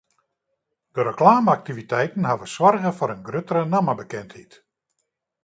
De reklame-aktiviteiten hawwe soarge foar in gruttere nammebekendheid.